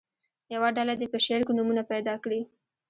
یوه ډله دې په شعر کې نومونه پیدا کړي.